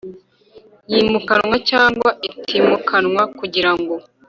yimukanwa cyangwa itimukanwa kugirango